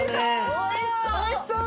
おいしそう！